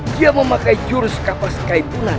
dia memakai jurus kapas kaipunan